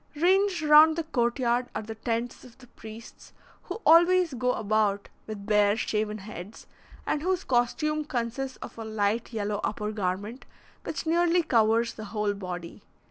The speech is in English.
Ranged round the court yard are the tents of the priests, who always go about with bare, shaven heads, and whose costume consists of a light yellow upper garment, which nearly covers the whole body.